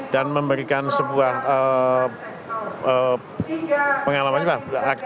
dan memberikan sebuah pengalaman pak